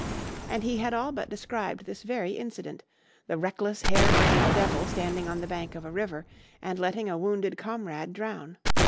And he had all but described this very incident: the reckless, hare brained devil standing on the bank of a river and letting a wounded comrade drown.